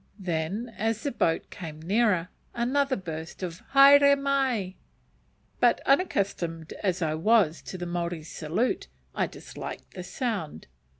Then, as the boat came nearer, another burst of haere mai! But unaccustomed as I was then to the Maori salute, I disliked the sound.